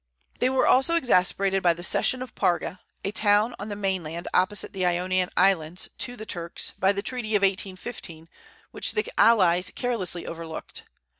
They were also exasperated by the cession of Parga (a town on the mainland opposite the Ionian Islands) to the Turks, by the treaty of 1815, which the allies carelessly overlooked.